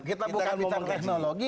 kita bukan bicara teknologi